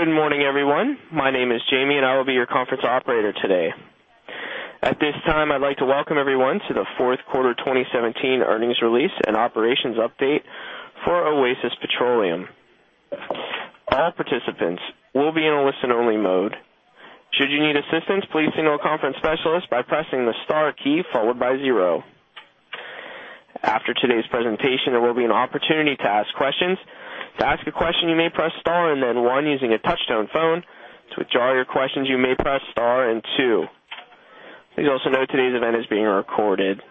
Good morning, everyone. My name is Jamie, and I will be your conference operator today. At this time, I'd like to welcome everyone to the fourth quarter 2017 earnings release and operations update for Oasis Petroleum. All participants will be in a listen-only mode. Should you need assistance, please signal a conference specialist by pressing the star key followed by zero. After today's presentation, there will be an opportunity to ask questions. To ask a question, you may press star and then one using a touch-tone phone. To withdraw your questions, you may press star and two. Please also note today's event is being recorded.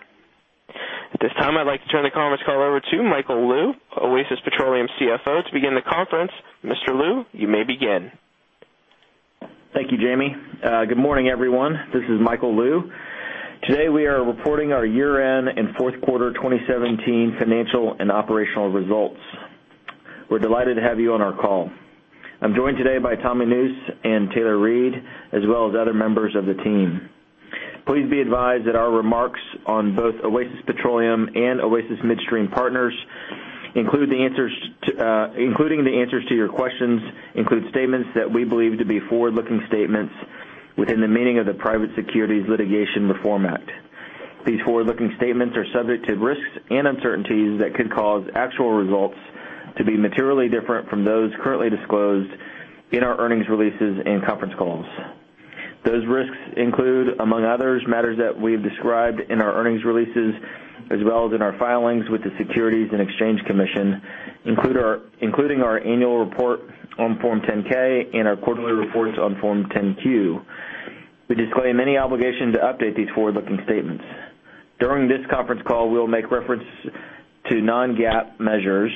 At this time, I'd like to turn the conference call over to Michael Lou, Oasis Petroleum CFO, to begin the conference. Mr. Lou, you may begin. Thank you, Jamie. Good morning, everyone. This is Michael Lou. Today, we are reporting our year-end and fourth quarter 2017 financial and operational results. We're delighted to have you on our call. I'm joined today by Tommy Nusz and Taylor Reid, as well as other members of the team. Please be advised that our remarks on both Oasis Petroleum and Oasis Midstream Partners, including the answers to your questions, include statements that we believe to be forward-looking statements within the meaning of the Private Securities Litigation Reform Act. These forward-looking statements are subject to risks and uncertainties that could cause actual results to be materially different from those currently disclosed in our earnings releases and conference calls. Those risks include, among others, matters that we've described in our earnings releases as well as in our filings with the Securities and Exchange Commission, including our annual report on Form 10-K and our quarterly reports on Form 10-Q. We disclaim any obligation to update these forward-looking statements. During this conference call, we'll make reference to non-GAAP measures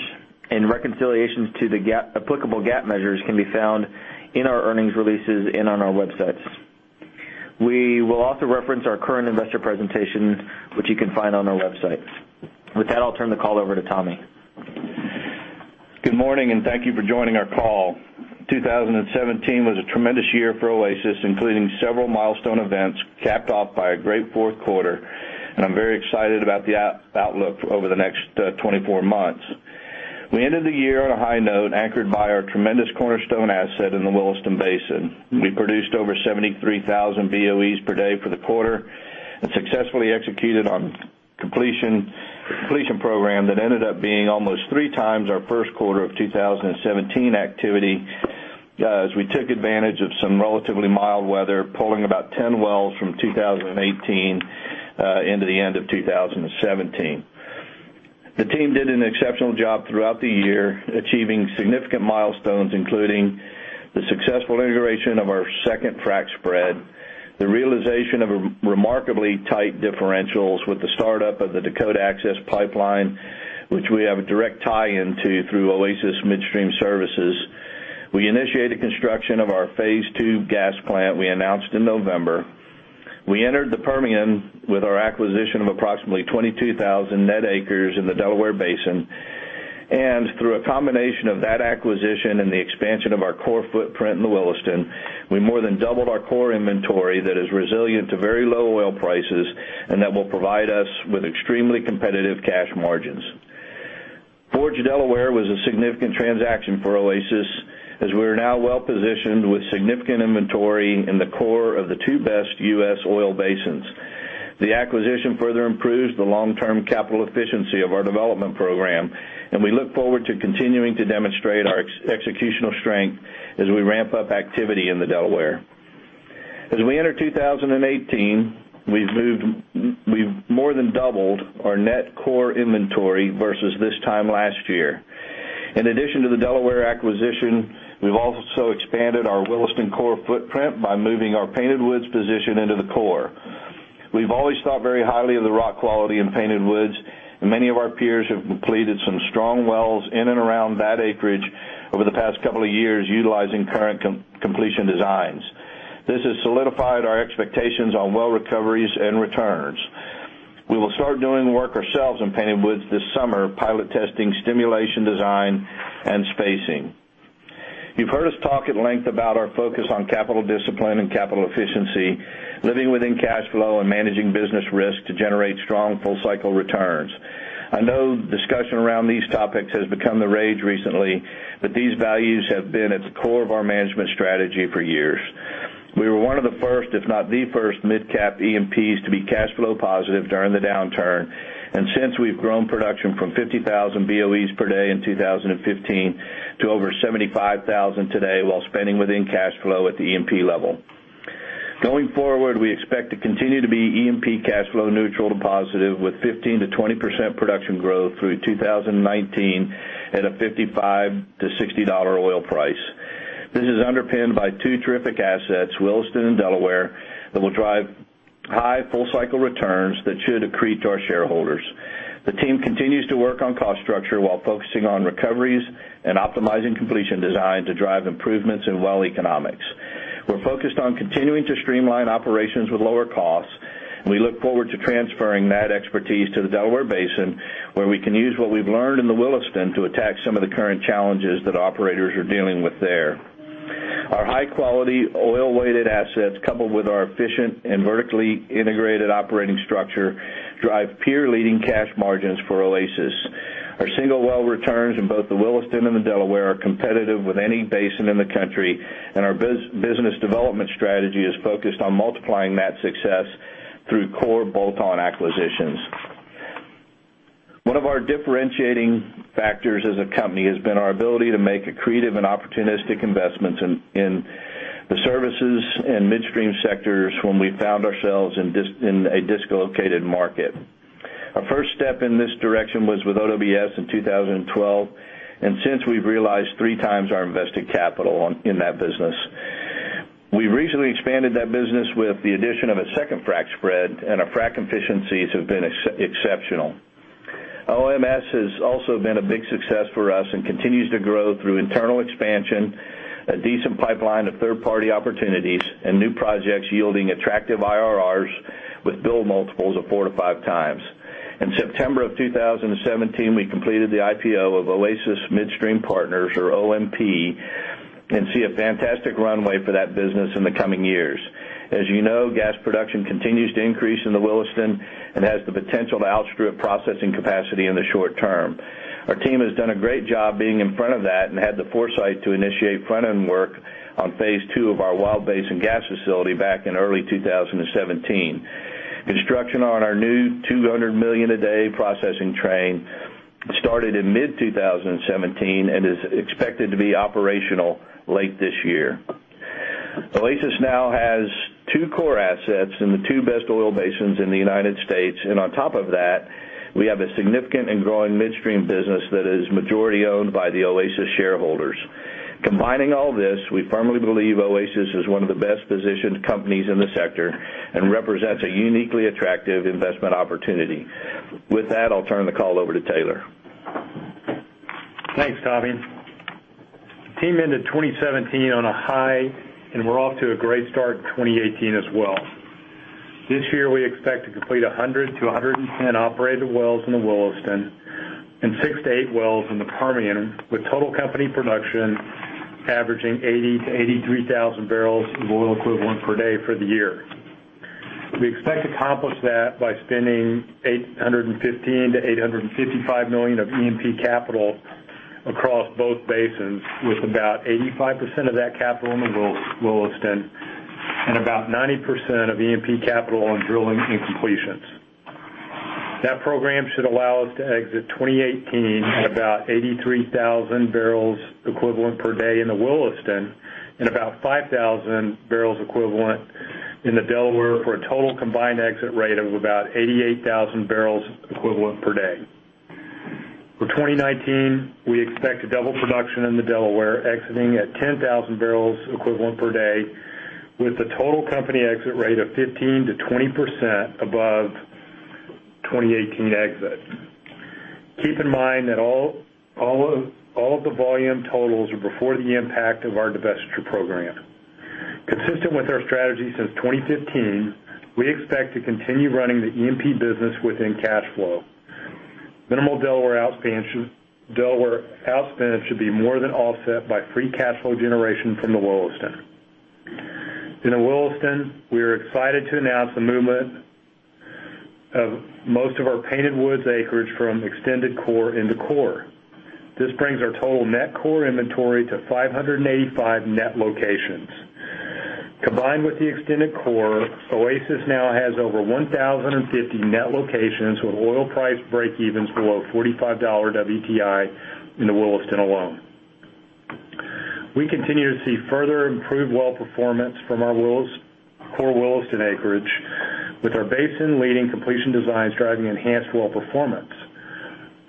and reconciliations to the applicable GAAP measures can be found in our earnings releases and on our websites. We will also reference our current investor presentation, which you can find on our website. With that, I'll turn the call over to Tommy. Good morning. Thank you for joining our call. 2017 was a tremendous year for Oasis, including several milestone events capped off by a great fourth quarter. I'm very excited about the outlook over the next 24 months. We ended the year on a high note, anchored by our tremendous cornerstone asset in the Williston Basin. We produced over 73,000 BOEs per day for the quarter and successfully executed on completion program that ended up being almost three times our first quarter of 2017 activity, as we took advantage of some relatively mild weather, pulling about 10 wells from 2018 into the end of 2017. The team did an exceptional job throughout the year, achieving significant milestones, including the successful integration of our second frac spread, the realization of remarkably tight differentials with the startup of the Dakota Access Pipeline, which we have a direct tie into through Oasis Midstream Services. We initiated construction of our phase 2 gas plant we announced in November. We entered the Permian with our acquisition of approximately 22,000 net acres in the Delaware Basin, and through a combination of that acquisition and the expansion of our core footprint in the Williston, we more than doubled our core inventory that is resilient to very low oil prices and that will provide us with extremely competitive cash margins. Forge Delaware was a significant transaction for Oasis, as we are now well-positioned with significant inventory in the core of the two best U.S. oil basins. The acquisition further improves the long-term capital efficiency of our development program, and we look forward to continuing to demonstrate our executional strength as we ramp up activity in the Delaware. As we enter 2018, we've more than doubled our net core inventory versus this time last year. In addition to the Delaware acquisition, we've also expanded our Williston core footprint by moving our Painted Woods position into the core. Many of our peers have completed some strong wells in and around that acreage over the past couple of years utilizing current completion designs. This has solidified our expectations on well recoveries and returns. We will start doing the work ourselves in Painted Woods this summer, pilot testing stimulation design and spacing. You've heard us talk at length about our focus on capital discipline and capital efficiency, living within cash flow and managing business risk to generate strong full-cycle returns. I know discussion around these topics has become the rage recently, these values have been at the core of our management strategy for years. We were one of the first, if not the first, mid-cap E&Ps to be cash flow positive during the downturn, and since we've grown production from 50,000 BOEs per day in 2015 to over 75,000 today while spending within cash flow at the E&P level. Going forward, we expect to continue to be E&P cash flow neutral to positive, with 15%-20% production growth through 2019 at a $55-$60 oil price. This is underpinned by two terrific assets, Williston and Delaware, that will drive high full-cycle returns that should accrete to our shareholders. The team continues to work on cost structure while focusing on recoveries and optimizing completion design to drive improvements in well economics. We're focused on continuing to streamline operations with lower costs, and we look forward to transferring that expertise to the Delaware Basin, where we can use what we've learned in the Williston to attack some of the current challenges that operators are dealing with there. Our high-quality oil-weighted assets, coupled with our efficient and vertically integrated operating structure, drive peer-leading cash margins for Oasis. Our single well returns in both the Williston and the Delaware are competitive with any basin in the country, and our business development strategy is focused on multiplying that success through core bolt-on acquisitions. One of our differentiating factors as a company has been our ability to make accretive and opportunistic investments in the services and midstream sectors when we found ourselves in a dislocated market. Our first step in this direction was with OWS in 2012, and since we've realized three times our invested capital in that business. We recently expanded that business with the addition of a second frac spread, and our frac efficiencies have been exceptional. OMS has also been a big success for us and continues to grow through internal expansion, a decent pipeline of third-party opportunities, and new projects yielding attractive IRRs with build multiples of four to five times. In September of 2017, we completed the IPO of Oasis Midstream Partners, or OMP, and see a fantastic runway for that business in the coming years. As you know, gas production continues to increase in the Williston and has the potential to outstrip processing capacity in the short term. Our team has done a great job being in front of that and had the foresight to initiate front-end work on phase 2 of our Wild Basin gas facility back in early 2017. Construction on our new 200 million a day processing train started in mid-2017 and is expected to be operational late this year. Oasis now has two core assets in the two best oil basins in the U.S., and on top of that, we have a significant and growing midstream business that is majority owned by the Oasis shareholders. Combining all this, we firmly believe Oasis is one of the best-positioned companies in the sector and represents a uniquely attractive investment opportunity. With that, I'll turn the call over to Taylor. Thanks, Tommy. Team ended 2017 on a high, and we're off to a great start in 2018 as well. This year, we expect to complete 100 to 110 operated wells in the Williston and six to eight wells in the Permian, with total company production averaging 80,000 to 83,000 barrels of oil equivalent per day for the year. We expect to accomplish that by spending $815 million to $855 million of E&P capital across both basins, with about 85% of that capital in the Williston and about 90% of E&P capital on drilling and completions. That program should allow us to exit 2018 at about 83,000 barrels equivalent per day in the Williston and about 5,000 barrels equivalent in the Delaware, for a total combined exit rate of about 88,000 barrels equivalent per day. For 2019, we expect to double production in the Delaware, exiting at 10,000 barrels equivalent per day, with a total company exit rate of 15%-20% above 2018 exit. Keep in mind that all of the volume totals are before the impact of our divestiture program. Consistent with our strategy since 2015, we expect to continue running the E&P business within cash flow. Minimal Delaware outspend should be more than offset by free cash flow generation from the Williston. In the Williston, we are excited to announce the movement of most of our Painted Woods acreage from extended core into core. This brings our total net core inventory to 585 net locations. Combined with the extended core, Oasis now has over 1,050 net locations, with oil price break-evens below $45 WTI in the Williston alone. We continue to see further improved well performance from our core Williston acreage, with our basin-leading completion designs driving enhanced well performance.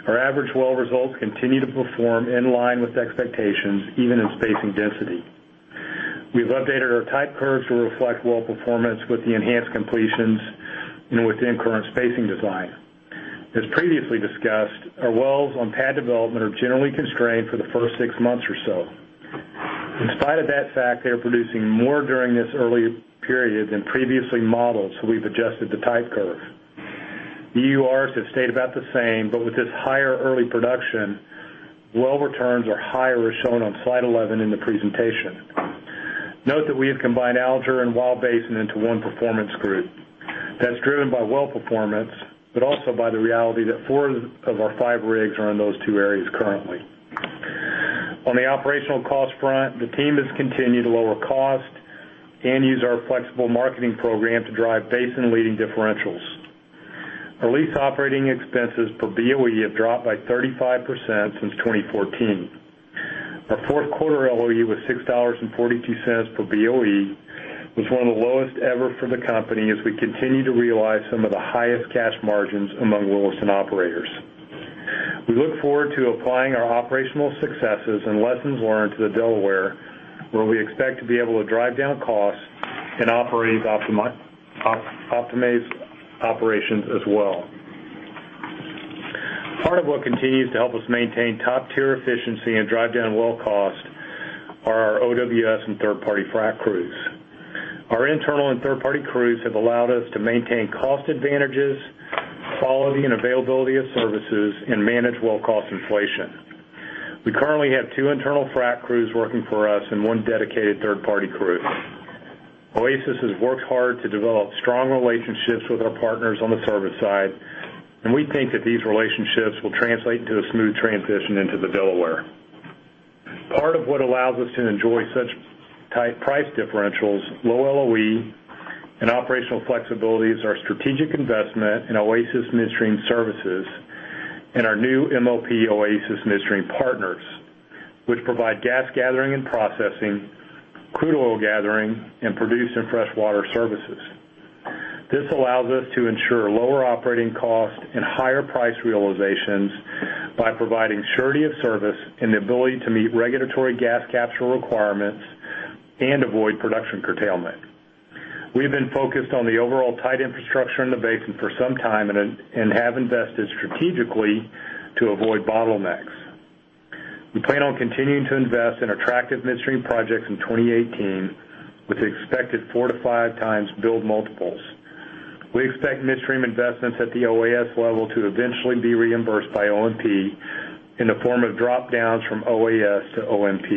Our average well results continue to perform in line with expectations, even in spacing density. We have updated our type curves to reflect well performance with the enhanced completions and within current spacing design. As previously discussed, our wells on pad development are generally constrained for the first six months or so. In spite of that fact, they are producing more during this early period than previously modeled, so we have adjusted the type curves. EURs have stayed about the same, but with this higher early production, well returns are higher, as shown on slide 11 in the presentation. Note that we have combined Alger and Wild Basin into one performance group. That is driven by well performance, but also by the reality that four of our five rigs are in those two areas currently. On the operational cost front, the team has continued to lower cost and use our flexible marketing program to drive basin-leading differentials. Our lease operating expenses per BOE have dropped by 35% since 2014. Our fourth quarter LOE was $6.42 per BOE, which is one of the lowest ever for the company as we continue to realize some of the highest cash margins among Williston operators. We look forward to applying our operational successes and lessons learned to the Delaware, where we expect to be able to drive down costs and operate optimized operations as well. Part of what continues to help us maintain top-tier efficiency and drive down well cost are our OWS and third-party frac crews. Our internal and third-party crews have allowed us to maintain cost advantages, quality and availability of services, and manage well cost inflation. We currently have two internal frac crews working for us and one dedicated third-party crew. Oasis has worked hard to develop strong relationships with our partners on the service side, and we think that these relationships will translate into a smooth transition into the Delaware. Part of what allows us to enjoy such tight price differentials, low LOE, and operational flexibility is our strategic investment in Oasis Midstream Services and our new MLP Oasis Midstream Partners, which provide gas gathering and processing, crude oil gathering, and produce and freshwater services. This allows us to ensure lower operating costs and higher price realizations by providing surety of service and the ability to meet regulatory gas capture requirements and avoid production curtailment. We have been focused on the overall tight infrastructure in the basin for some time and have invested strategically to avoid bottlenecks. We plan on continuing to invest in attractive midstream projects in 2018 with expected four to five times build multiples. We expect midstream investments at the OAS level to eventually be reimbursed by OMP in the form of drop-downs from OAS to OMP.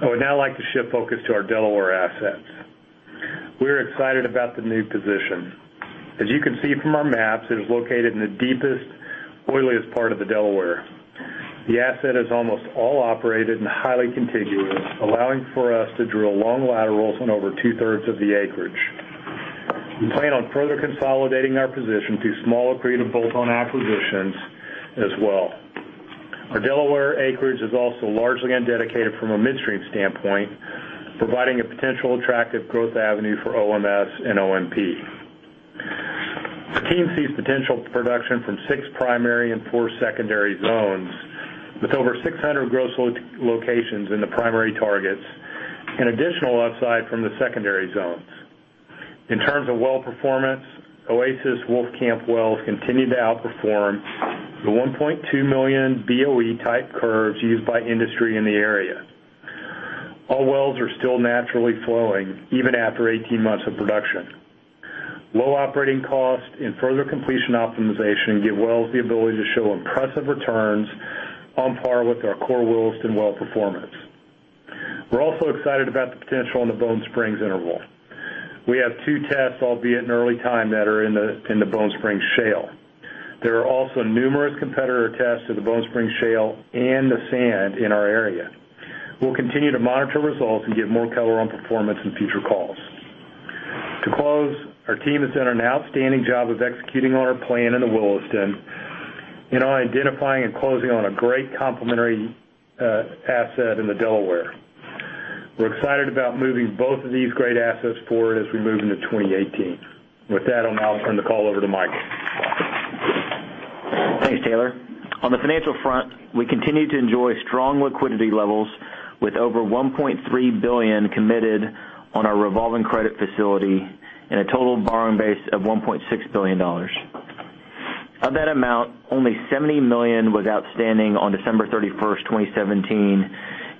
I would now like to shift focus to our Delaware assets. We are excited about the new position. As you can see from our maps, it is located in the deepest, oiliest part of the Delaware. The asset is almost all operated and highly contiguous, allowing for us to drill long laterals on over two-thirds of the acreage. We plan on further consolidating our position through small accretive bolt-on acquisitions as well. Our Delaware acreage is also largely undedicated from a midstream standpoint, providing a potential attractive growth avenue for OMS and OMP. The team sees potential production from six primary and four secondary zones, with over 600 gross locations in the primary targets, and additional upside from the secondary zones. In terms of well performance, Oasis Wolfcamp wells continue to outperform the 1.2 million BOE type curves used by industry in the area. All wells are still naturally flowing even after 18 months of production. Low operating costs and further completion optimization give wells the ability to show impressive returns on par with our core Williston Basin well performance. We are also excited about the potential in the Bone Springs interval. We have two tests, albeit in early time, that are in the Bone Spring Shale. There are also numerous competitor tests in the Bone Spring Shale and the sand in our area. We will continue to monitor results and give more color on performance in future calls. To close, our team has done an outstanding job of executing on our plan in the Williston Basin and on identifying and closing on a great complementary asset in the Delaware. We are excited about moving both of these great assets forward as we move into 2018. With that, I will now turn the call over to Michael. Thanks, Taylor. On the financial front, we continue to enjoy strong liquidity levels with over $1.3 billion committed on our revolving credit facility and a total borrowing base of $1.6 billion. Of that amount, only $70 million was outstanding on December 31st, 2017,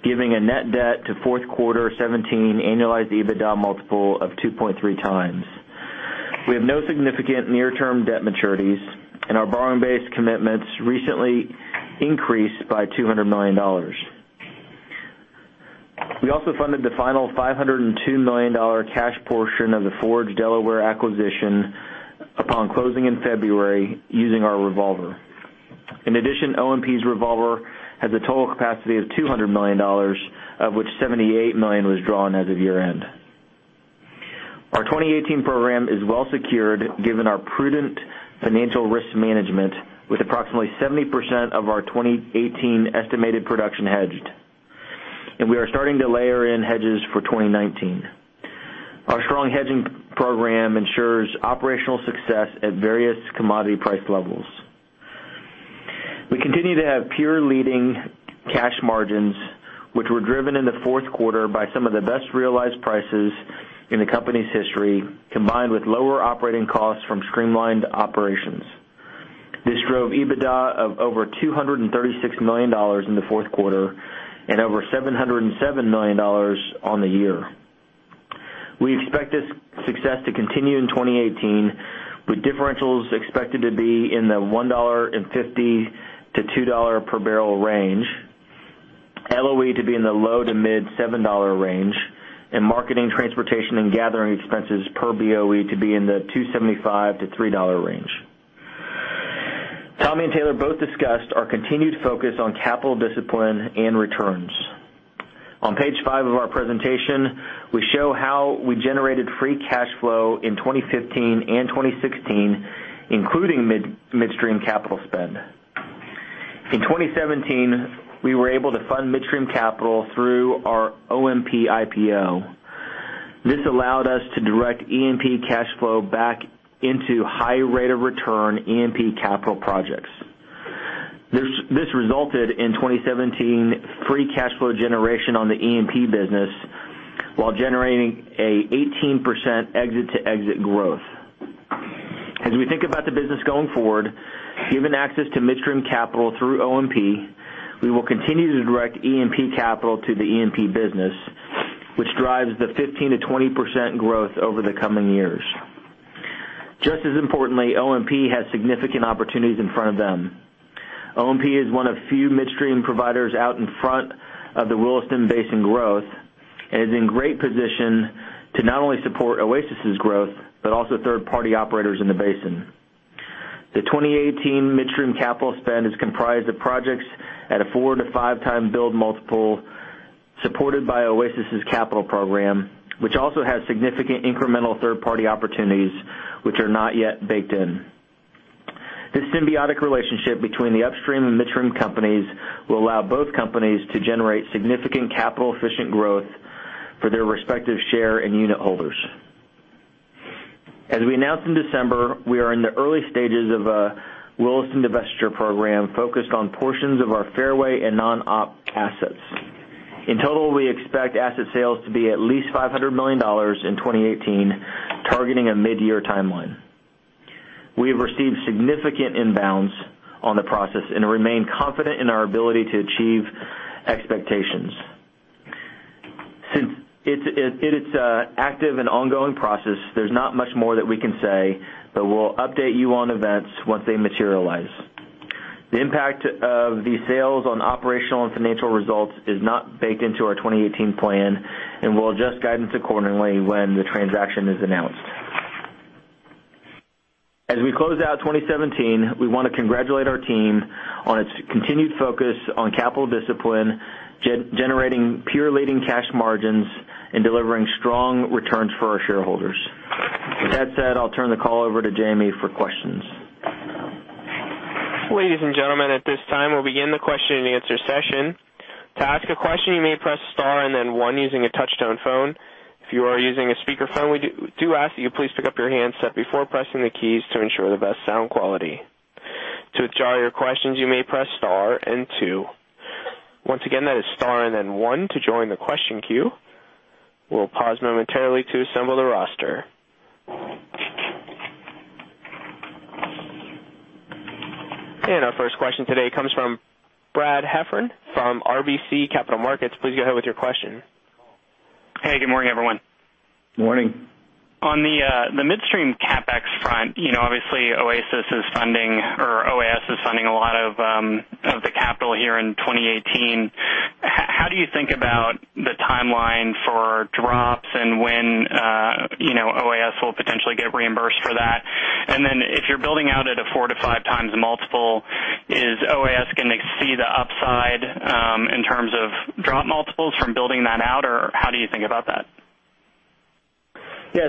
giving a net debt to fourth quarter 2017 annualized EBITDA multiple of 2.3 times. We have no significant near-term debt maturities, and our borrowing base commitments recently increased by $200 million. We also funded the final $502 million cash portion of the Forge Delaware acquisition upon closing in February using our revolver. In addition, OMP's revolver has a total capacity of $200 million, of which $78 million was drawn as of year-end. Our 2018 program is well secured given our prudent financial risk management, with approximately 70% of our 2018 estimated production hedged. We are starting to layer in hedges for 2019. Our strong hedging program ensures operational success at various commodity price levels. We continue to have peer-leading cash margins, which were driven in the fourth quarter by some of the best realized prices in the company's history, combined with lower operating costs from streamlined operations. This drove EBITDA of over $236 million in the fourth quarter and over $707 million on the year. We expect this success to continue in 2018, with differentials expected to be in the $1.50-$2 per barrel range, LOE to be in the low to mid $7 range, and marketing, transportation, and gathering expenses per BOE to be in the $2.75-$3 range. Tommy and Taylor both discussed our continued focus on capital discipline and returns. On page five of our presentation, we show how we generated free cash flow in 2015 and 2016, including midstream capital spend. In 2017, we were able to fund midstream capital through our OMP IPO. This allowed us to direct E&P cash flow back into high rate of return E&P capital projects. This resulted in 2017 free cash flow generation on the E&P business while generating an 18% exit-to-exit growth. As we think about the business going forward, given access to midstream capital through OMP, we will continue to direct E&P capital to the E&P business, which drives the 15%-20% growth over the coming years. Just as importantly, OMP has significant opportunities in front of them. OMP is one of few midstream providers out in front of the Williston Basin growth, and is in great position to not only support Oasis's growth, but also third-party operators in the basin. The 2018 midstream capital spend is comprised of projects at a 4 to 5 times build multiple, supported by Oasis's capital program, which also has significant incremental third-party opportunities which are not yet baked in. This symbiotic relationship between the upstream and midstream companies will allow both companies to generate significant capital-efficient growth for their respective share and unit holders. As we announced in December, we are in the early stages of a Williston divestiture program focused on portions of our fairway and non-op assets. In total, we expect asset sales to be at least $500 million in 2018, targeting a midyear timeline. We have received significant inbounds on the process and remain confident in our ability to achieve expectations. Since it is an active and ongoing process, there's not much more that we can say, but we'll update you on events once they materialize. The impact of the sales on operational and financial results is not baked into our 2018 plan. We'll adjust guidance accordingly when the transaction is announced. As we close out 2017, we want to congratulate our team on its continued focus on capital discipline, generating peer-leading cash margins, and delivering strong returns for our shareholders. With that said, I'll turn the call over to Jamie for questions. Ladies and gentlemen, at this time, we'll begin the question and answer session. To ask a question, you may press star and then one using a touch-tone phone. If you are using a speakerphone, we do ask that you please pick up your handset before pressing the keys to ensure the best sound quality. To withdraw your questions, you may press star and two. Once again, that is star and then one to join the question queue. We'll pause momentarily to assemble the roster. Our first question today comes from Brad Heffern from RBC Capital Markets. Please go ahead with your question. Hey, good morning, everyone. Morning. On the midstream CapEx front, obviously OAS is funding a lot of the capital here in 2018. How do you think about the timeline for drops and when OAS will potentially get reimbursed for that? If you're building out at a four to five times multiple, is OAS going to see the upside in terms of drop multiples from building that out? How do you think about that? We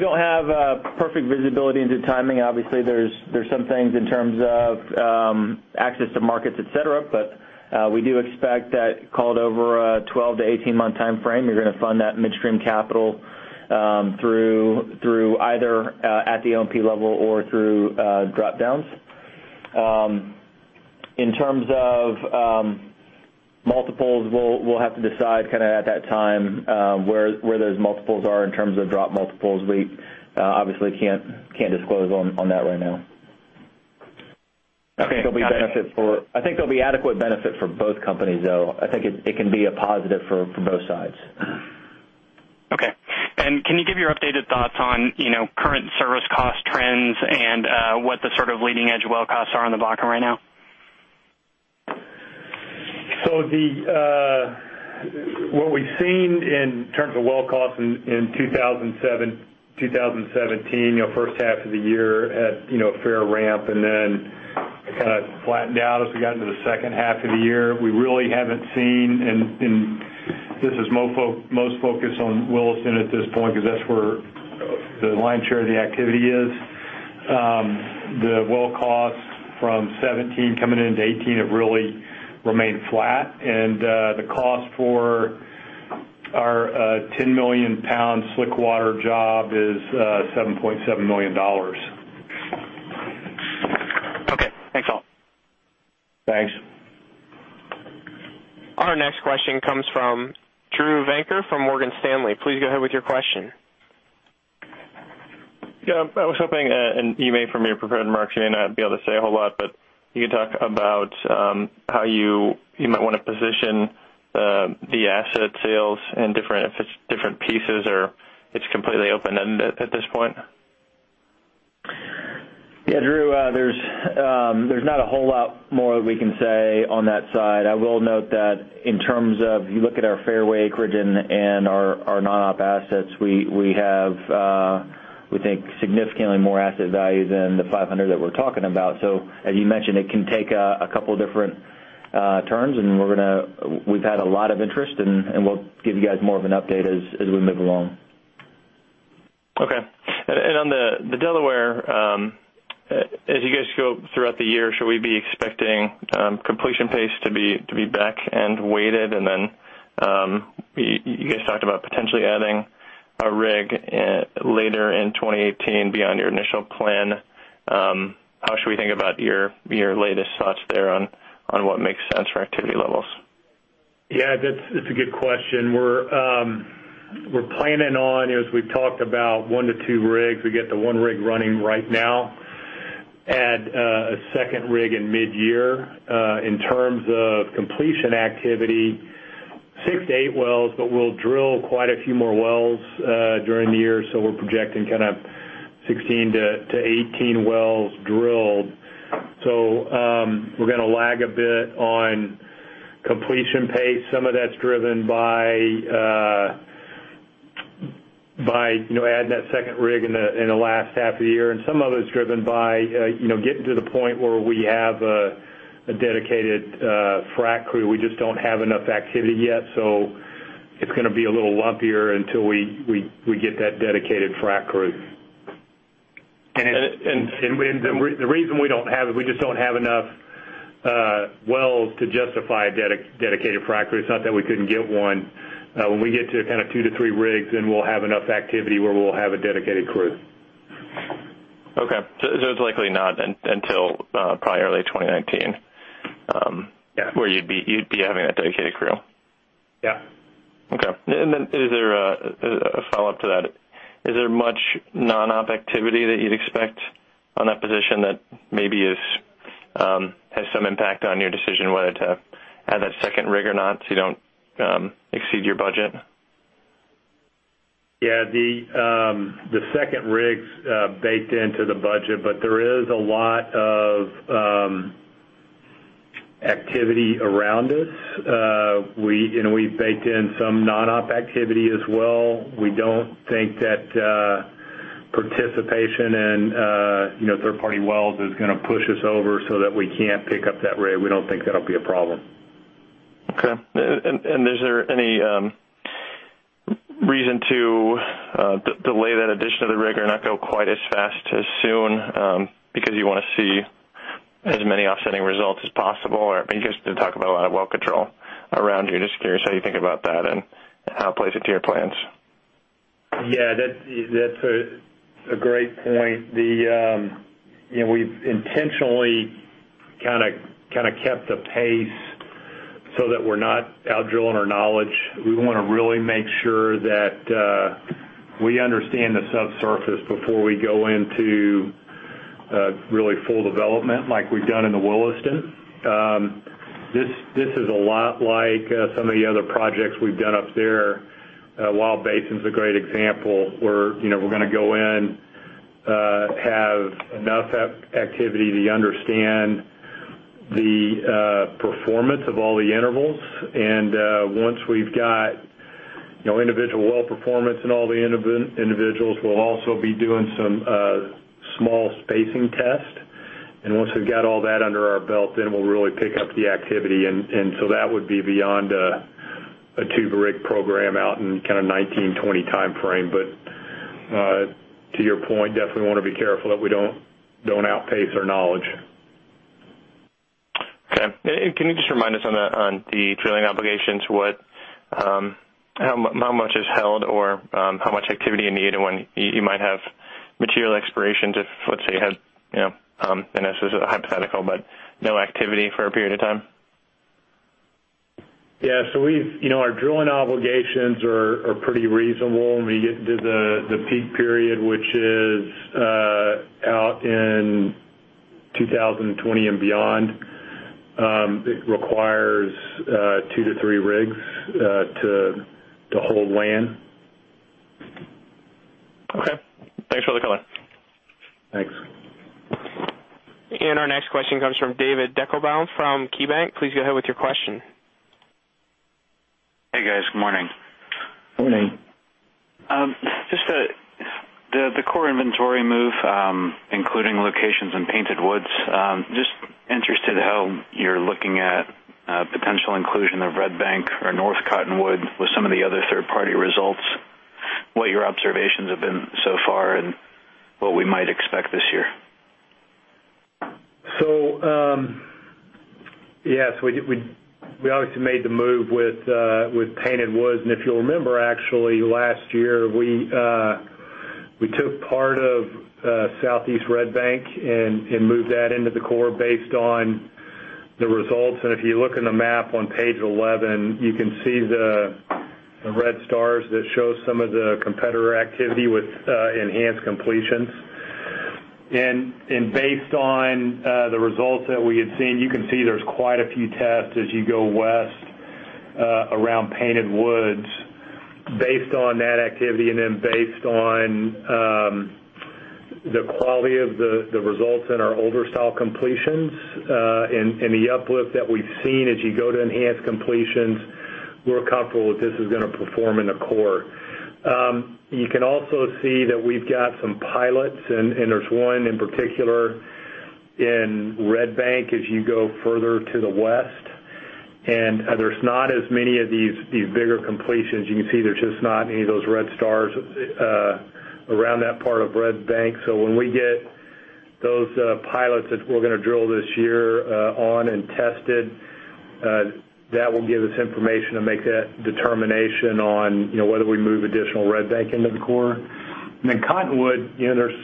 don't have perfect visibility into timing. Obviously, there's some things in terms of access to markets, et cetera, but we do expect that call it over a 12 to 18-month timeframe, you're going to fund that midstream capital through either at the OMP level or through drop-downs. In terms of multiples, we'll have to decide at that time where those multiples are in terms of drop multiples. We obviously can't disclose on that right now. Okay. I think there'll be adequate benefit for both companies, though. I think it can be a positive for both sides. Okay. Can you give your updated thoughts on current service cost trends and what the sort of leading-edge well costs are on the Bakken right now? What we've seen in terms of well costs in 2017, first half of the year had a fair ramp and then kind of flattened out as we got into the second half of the year. We really haven't seen, this is most focused on Williston at this point because that's where the lion's share of the activity is. The well costs from 2017 coming into 2018 have really remained flat, the cost for our 10 million pound slickwater job is $7.7 million. Okay. Thanks a lot. Thanks. Our next question comes from Drew Venker from Morgan Stanley. Please go ahead with your question. Yeah, I was hoping, and you may, from your prepared remarks, you may not be able to say a whole lot, but can you talk about how you might want to position the asset sales and if it's different pieces or it's completely open-ended at this point? Yeah, Drew, there's not a whole lot more that we can say on that side. I will note that in terms of you look at our fairway acreage and our non-op assets, we have, we think, significantly more asset value than the $500 that we're talking about. As you mentioned, it can take a couple different turns, and we've had a lot of interest, and we'll give you guys more of an update as we move along. Okay. On the Delaware, as you guys go throughout the year, should we be expecting completion pace to be back-end weighted? You guys talked about potentially adding a rig later in 2018 beyond your initial plan. How should we think about your latest thoughts there on what makes sense for activity levels? Yeah, it's a good question. We're planning on, as we've talked about, one to two rigs. We get the one rig running right now. Add a second rig in midyear. In terms of completion activity, 6-8 wells, we'll drill quite a few more wells during the year, we're projecting 16-18 wells drilled. We're going to lag a bit on completion pace. Some of that's driven by adding that second rig in the last half of the year, some of it's driven by getting to the point where we have a dedicated frac crew. We just don't have enough activity yet, it's going to be a little lumpier until we get that dedicated frac crew. And- The reason we don't have it, we just don't have enough wells to justify a dedicated frac crew. It's not that we couldn't get one. When we get to 2-3 rigs, we'll have enough activity where we'll have a dedicated crew. Okay. It's likely not until probably early 2019 Yeah where you'd be having that dedicated crew? Yeah. Okay. Then, a follow-up to that, is there much non-op activity that you'd expect on that position that maybe has some impact on your decision whether to have that second rig or not, so you don't exceed your budget? Yeah. The second rig's baked into the budget, there is a lot of activity around us. We baked in some non-op activity as well. We don't think that participation in third-party wells is going to push us over so that we can't pick up that rig. We don't think that'll be a problem. Okay. Is there any reason to delay that addition of the rig or not go quite as fast as soon, because you want to see as many offsetting results as possible? Because you talk about a lot of well control around here, just curious how you think about that and how it plays into your plans. Yeah, that's a great point. We've intentionally kept a pace so that we're not out-drilling our knowledge. We want to really make sure that we understand the subsurface before we go into really full development like we've done in the Williston. This is a lot like some of the other projects we've done up there. Wild Basin's a great example, where we're going to go in, have enough activity to understand the performance of all the intervals. Once we've got individual well performance in all the individuals, we'll also be doing some small spacing tests. Once we've got all that under our belt, then we'll really pick up the activity. So that would be beyond a two-rig program out in 2019, 2020 timeframe. To your point, definitely want to be careful that we don't outpace our knowledge. Okay. Can you just remind us on the drilling obligations, how much is held or how much activity you need and when you might have material expirations if, let's say you had, and this is a hypothetical, but no activity for a period of time? Yeah. Our drilling obligations are pretty reasonable when we get to the peak period, which is out in 2020 and beyond. It requires 2-3 rigs to hold land. Okay. Thanks for the color. Thanks. Our next question comes from David Deckelbaum from KeyBanc. Please go ahead with your question. Hey, guys. Good morning. Morning. Just the core inventory move, including locations in Painted Woods. Just interested how you're looking at potential inclusion of Red Bank or North Cottonwood with some of the other third-party results, what your observations have been so far and what we might expect this year. Yes, we obviously made the move with Painted Woods, and if you'll remember, actually, last year, we took part of Southeast Red Bank and moved that into the core based on the results. If you look in the map on page 11, you can see the red stars that show some of the competitor activity with enhanced completions. Based on the results that we had seen, you can see there's quite a few tests as you go west around Painted Woods. Based on that activity and then based on the quality of the results in our older style completions, and the uplift that we've seen as you go to enhanced completions, we're comfortable that this is going to perform in the core. You can also see that we've got some pilots, and there's one in particular in Red Bank as you go further to the west. There's not as many of these bigger completions. You can see there's just not any of those red stars around that part of Red Bank. When we get those pilots that we're going to drill this year on and tested, that will give us information to make that determination on whether we move additional Red Bank into the core. Cottonwood, there's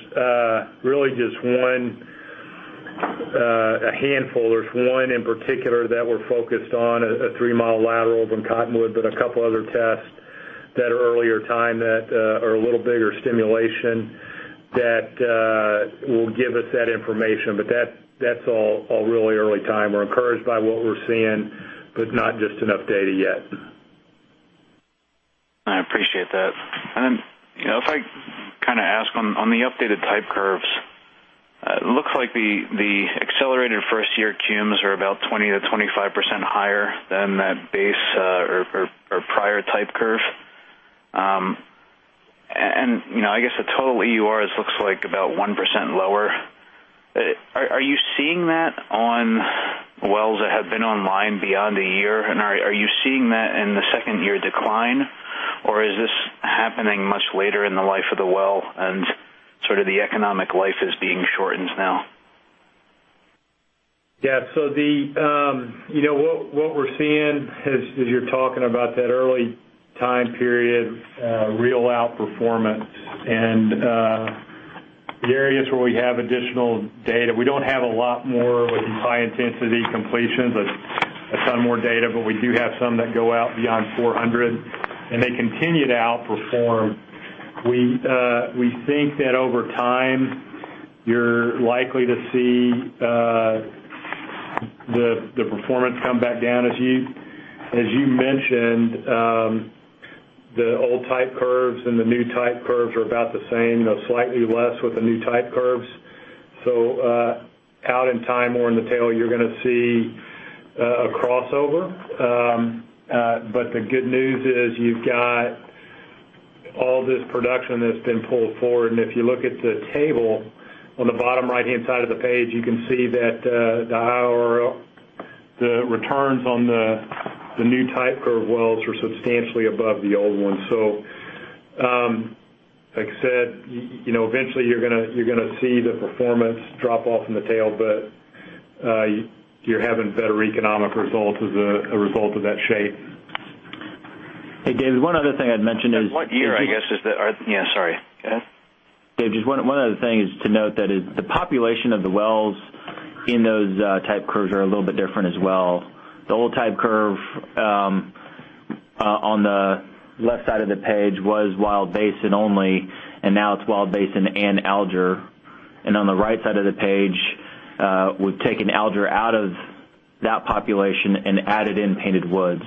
really just one A handful. There's one in particular that we're focused on, a three-mile lateral from Cottonwood, but a couple other tests that are earlier time that are a little bigger stimulation that will give us that information. That's all really early time. We're encouraged by what we're seeing, but not just enough data yet. I appreciate that. If I ask on the updated type curves, it looks like the accelerated first-year cumes are about 20%-25% higher than that base or prior type curve. I guess the total EUR looks like about 1% lower. Are you seeing that on wells that have been online beyond a year, and are you seeing that in the second year decline, or is this happening much later in the life of the well and sort of the economic life is being shortened now? Yeah. What we're seeing as you're talking about that early time period, real out-performance. The areas where we have additional data, we don't have a lot more with these high-intensity completions, a ton more data, but we do have some that go out beyond 400, and they continue to outperform. We think that over time, you're likely to see the performance come back down. As you mentioned, the old type curves and the new type curves are about the same, slightly less with the new type curves. Out in time or in the tail, you're going to see a crossover. The good news is you've got all this production that's been pulled forward. If you look at the table on the bottom right-hand side of the page, you can see that the returns on the new type curve wells are substantially above the old ones. Like I said, eventually you're going to see the performance drop off in the tail, but you're having better economic results as a result of that shape. Hey, David, one other thing I'd mention is. What year, I guess, is the? Sorry. Go ahead. Dave, just one of the things to note that the population of the wells in those type curves are a little bit different as well. The old type curve on the left side of the page was Williston Basin only. Now it's Williston Basin and Alger. On the right side of the page, we've taken Alger out of that population and added in Painted Woods.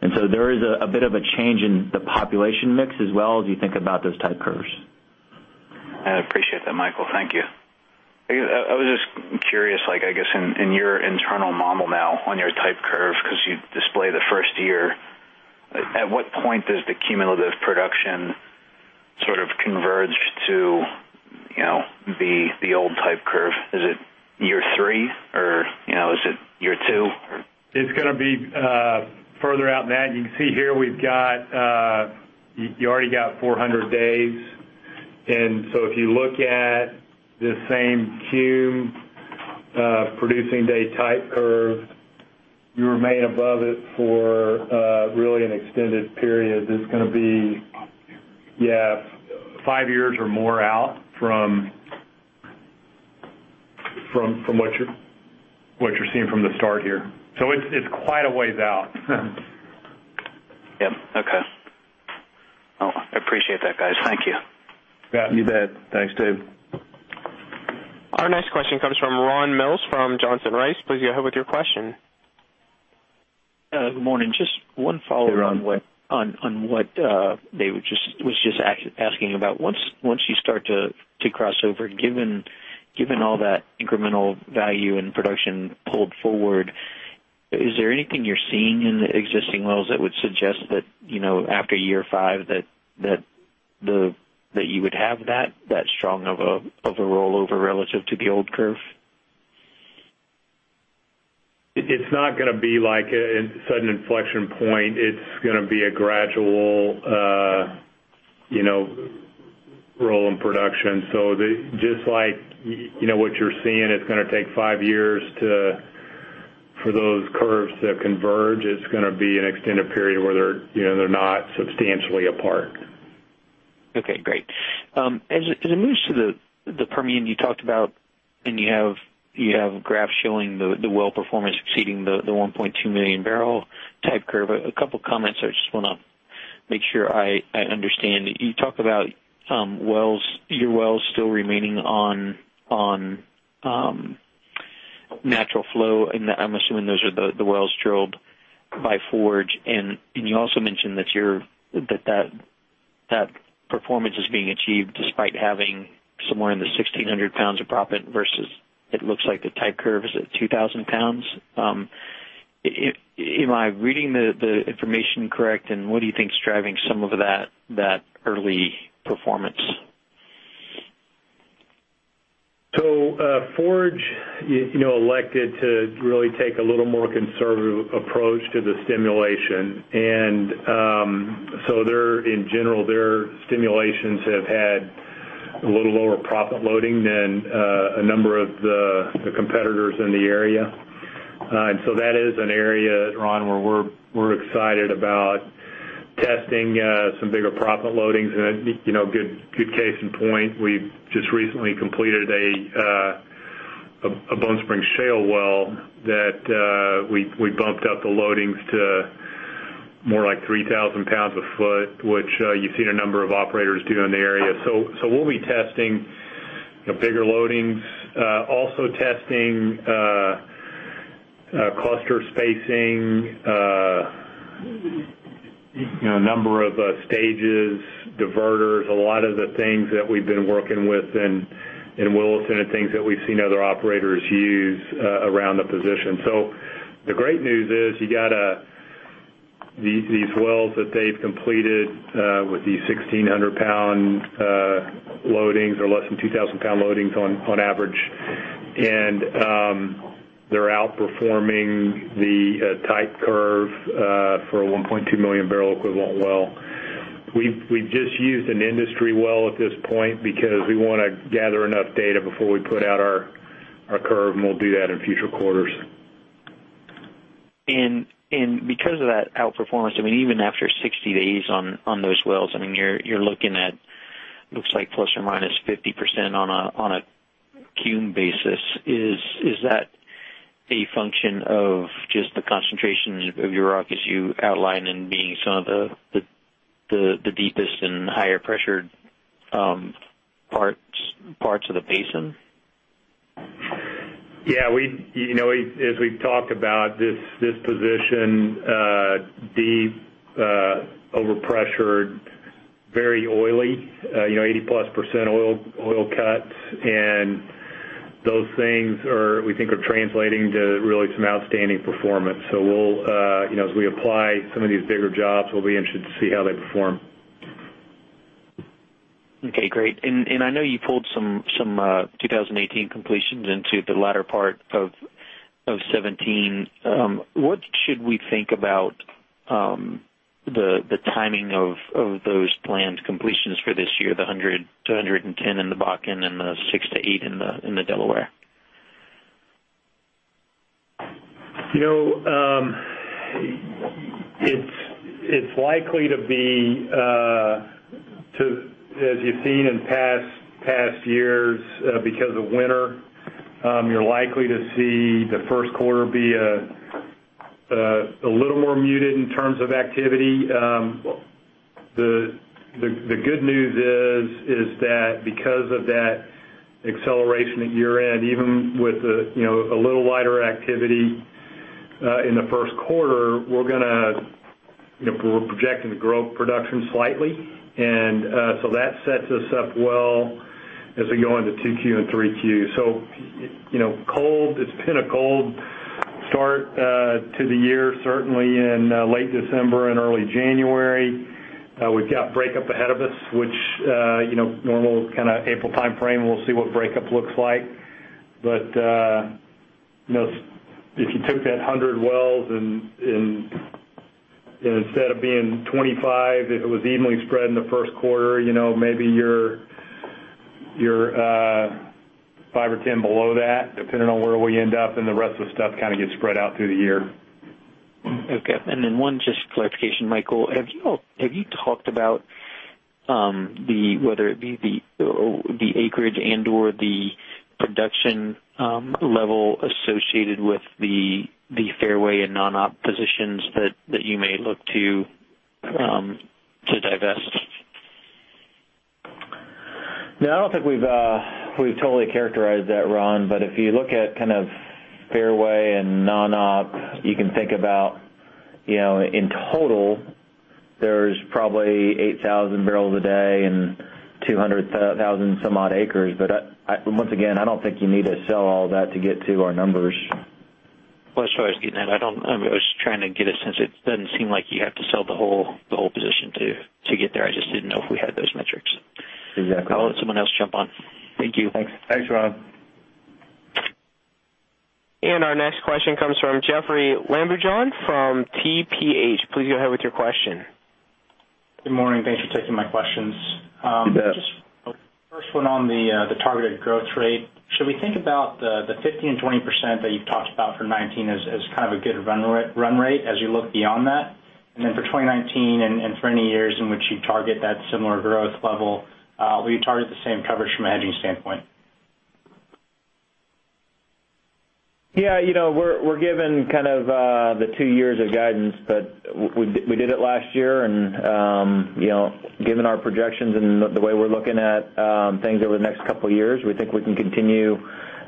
There is a bit of a change in the population mix as well as you think about those type curves. I appreciate that, Michael. Thank you. I was just curious, I guess, in your internal model now on your type curve, because you display the first year, at what point does the cumulative production sort of converge to the old type curve? Is it year three or is it year two? It's going to be further out than that. You can see here. You already got 400 days. If you look at the same cume producing day type curve, you remain above it for really an extended period. This is going to be, yeah, five years or more out from what you're seeing from the start here. It's quite a ways out. Yep. Okay. I appreciate that, guys. Thank you. Yeah, you bet. Thanks, Dave. Our next question comes from Ron Mills from Johnson Rice. Please go ahead with your question. Good morning. Just one follow-on what Dave was just asking about. Once you start to cross over, given all that incremental value and production pulled forward, is there anything you're seeing in the existing wells that would suggest that after year five, that you would have that strong of a rollover relative to the old curve? It's not going to be like a sudden inflection point. It's going to be a gradual roll in production. Just like what you're seeing, it's going to take five years for those curves to converge. It's going to be an extended period where they're not substantially apart. Okay, great. As it moves to the Permian, you talked about, you have a graph showing the well performance exceeding the 1.2 million barrel type curve. A couple of comments I just want to make sure I understand. You talk about your wells still remaining on natural flow, I'm assuming those are the wells drilled by Forge. You also mentioned that that performance is being achieved despite having somewhere in the 1,600 pounds of proppant versus it looks like the type curve is at 2,000 pounds. Am I reading the information correct, and what do you think is driving some of that early performance? Forge elected to really take a little more conservative approach to the stimulation. In general, their stimulations have had a little lower proppant loading than a number of the competitors in the area. That is an area, Ron, where we're excited about testing some bigger proppant loadings. A good case in point, we just recently completed a Bone Spring Shale well that we bumped up the loadings to more like 3,000 pounds a foot, which you've seen a number of operators do in the area. We'll be testing bigger loadings. Also testing cluster spacing, a number of stages, diverters, a lot of the things that we've been working with in Williston, things that we've seen other operators use around the position. The great news is you got these wells that they've completed with these 1,600-pound loadings or less than 2,000-pound loadings on average. They're outperforming the type curve for a 1.2 million barrel equivalent well. We've just used an industry well at this point because we want to gather enough data before we put out our curve, we'll do that in future quarters. Because of that outperformance, even after 60 days on those wells, you're looking at, it looks like ±50% on a CUM basis. Is that a function of just the concentration of your rock as you outline in being some of the deepest and higher pressured parts of the basin? Yeah. As we've talked about, this position, deep, over-pressured, very oily, 80-plus % oil cuts, and those things we think are translating to really some outstanding performance. As we apply some of these bigger jobs, we'll be interested to see how they perform. Okay, great. I know you pulled some 2018 completions into the latter part of 2017. What should we think about the timing of those planned completions for this year, the 100 to 110 in the Bakken and the six to eight in the Delaware? It's likely to be, as you've seen in past years, because of winter, you're likely to see the first quarter be a little more muted in terms of activity. The good news is that because of that acceleration at year-end, even with a little lighter activity in the first quarter, we're projecting to grow production slightly. That sets us up well as we go into 2Q and 3Q. It's been a cold start to the year, certainly in late December and early January. We've got breakup ahead of us, which normal kind of April timeframe, we'll see what breakup looks like. If you took that 100 wells and instead of being 25, if it was evenly spread in the first quarter, maybe you're five or 10 below that, depending on where we end up, and the rest of the stuff gets spread out through the year. One just clarification, Michael. Have you talked about whether it be the acreage and/or the production level associated with the fairway and non-op positions that you may look to divest? No, I don't think we've totally characterized that, Ron. If you look at fairway and non-op, you can think about in total, there's probably 8,000 barrels a day and 200,000 some odd acres. Once again, I don't think you need to sell all that to get to our numbers. Well, that's what I was getting at. I was trying to get a sense. It doesn't seem like you have to sell the whole position to get there. I just didn't know if we had those metrics. Exactly. I'll let someone else jump on. Thank you. Thanks. Thanks, Ron. Our next question comes from Jeoffrey Lambujon from TPH&Co.. Please go ahead with your question. Good morning. Thanks for taking my questions. You bet. First one on the targeted growth rate. Should we think about the 15%-20% that you've talked about for 2019 as kind of a good run rate as you look beyond that? For 2019 and for any years in which you target that similar growth level, will you target the same coverage from a hedging standpoint? We're giving the two years of guidance, but we did it last year. Given our projections and the way we're looking at things over the next couple of years, we think we can continue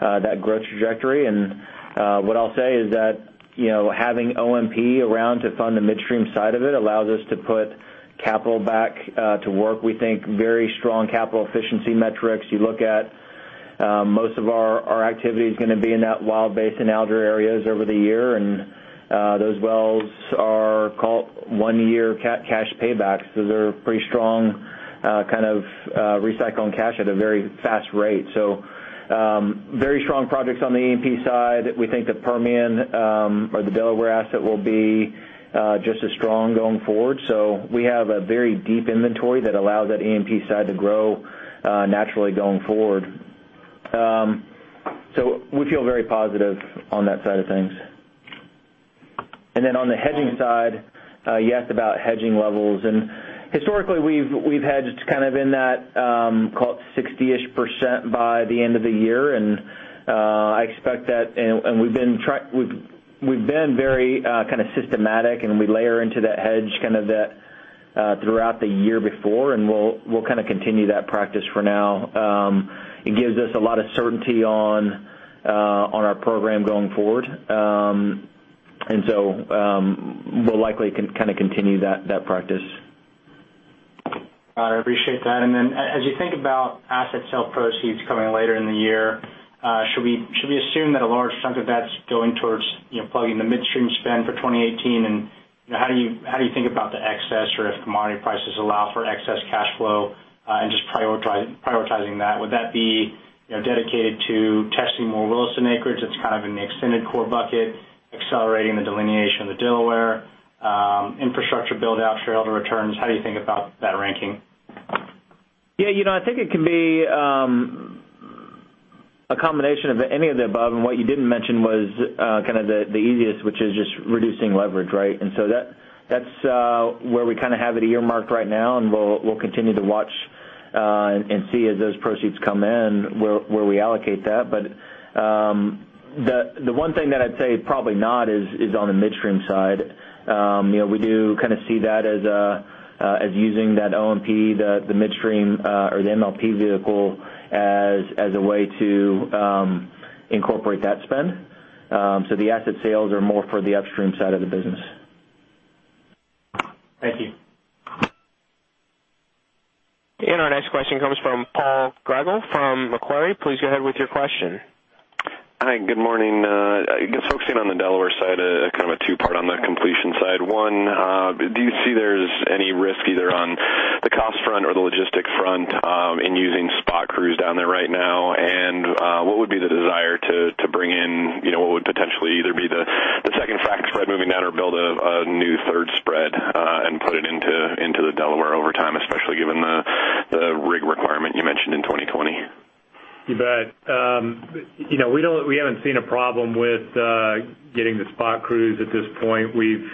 that growth trajectory. What I'll say is that having OMP around to fund the midstream side of it allows us to put capital back to work. We think very strong capital efficiency metrics. You look at most of our activity is going to be in that Williston Basin Alger areas over the year, and those wells are one-year cash paybacks. They're pretty strong recycling cash at a very fast rate. Very strong projects on the E&P side. We think the Permian or the Delaware asset will be just as strong going forward. We have a very deep inventory that allows that E&P side to grow naturally going forward. We feel very positive on that side of things. On the hedging side, you asked about hedging levels. Historically, we've hedged kind of in that call it 60-ish% by the end of the year. We've been very systematic, and we layer into that hedge throughout the year before, and we'll continue that practice for now. It gives us a lot of certainty on our program going forward. We'll likely continue that practice. Got it. I appreciate that. As you think about asset sale proceeds coming later in the year, should we assume that a large chunk of that's going towards plugging the midstream spend for 2018? How do you think about the excess, or if commodity prices allow for excess cash flow, and just prioritizing that? Would that be dedicated to testing more Williston acreage that's kind of in the extended core bucket, accelerating the delineation of the Delaware, infrastructure build-out for shareholder returns? How do you think about that ranking? Yeah, I think it can be a combination of any of the above. What you didn't mention was the easiest, which is just reducing leverage, right? That's where we have it earmarked right now, and we'll continue to watch and see as those proceeds come in, where we allocate that. The one thing that I'd say probably not is on the midstream side. We do see that as using that OMP, the midstream or the MLP vehicle as a way to incorporate that spend. The asset sales are more for the upstream side of the business. Thank you. Our next question comes from Paul Grigel from Macquarie. Please go ahead with your question. Hi, good morning. I guess focusing on the Delaware side, kind of a two-part on the completion side. One, do you see there's any risk either on the cost front or the logistics front in using spot crews down there right now? What would be the desire to bring in what would potentially either be the second frac spread moving down or build a new third spread, and put it into the Delaware over time, especially given the rig requirement you mentioned in 2020? You bet. We haven't seen a problem with getting the spot crews at this point. We've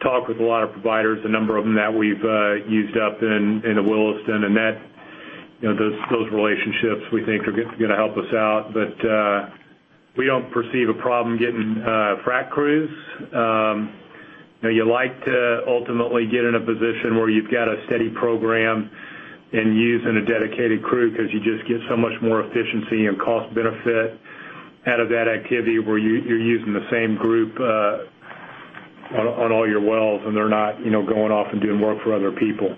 talked with a lot of providers, a number of them that we've used up in the Williston, and those relationships we think are going to help us out. We don't perceive a problem getting frac crews. You like to ultimately get in a position where you've got a steady program and using a dedicated crew because you just get so much more efficiency and cost benefit out of that activity, where you're using the same group on all your wells, and they're not going off and doing work for other people.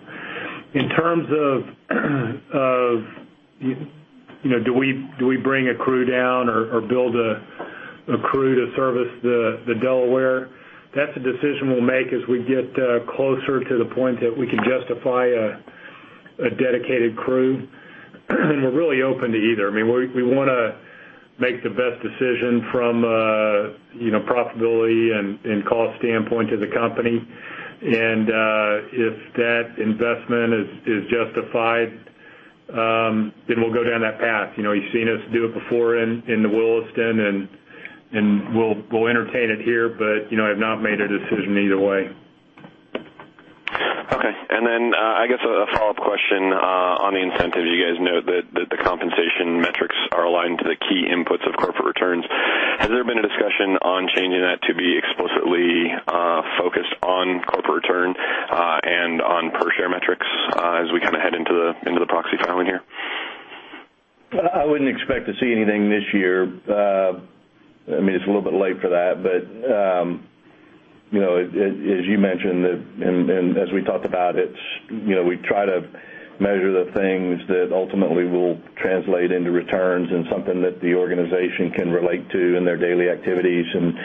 In terms of do we bring a crew down or build a crew to service the Delaware? That's a decision we'll make as we get closer to the point that we can justify a dedicated crew. We're really open to either. We want to make the best decision from a profitability and cost standpoint to the company. If that investment is justified, then we'll go down that path. You've seen us do it before in the Williston, and we'll entertain it here, but I've not made a decision either way. Okay. I guess a follow-up question on the incentive. You guys note that the compensation metrics are aligned to the key inputs of corporate returns. Has there been a discussion on changing that to be explicitly focused on corporate return, and on per-share metrics as we head into the proxy filing here? I wouldn't expect to see anything this year. It's a little bit late for that, but as you mentioned, and as we talked about it, we try to measure the things that ultimately will translate into returns and something that the organization can relate to in their daily activities, and